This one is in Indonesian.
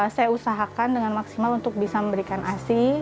saya usahakan dengan maksimal untuk bisa memberikan asi